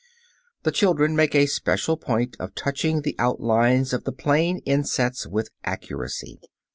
The children make a special point of touching the outlines of the plane insets with accuracy.